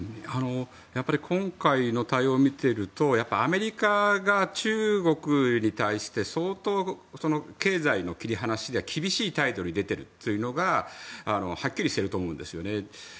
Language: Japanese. やっぱり今回の対応を見ているとアメリカが中国に対して相当、経済の切り離しで厳しい態度に出ているというのがはっきりしていると思うんですね。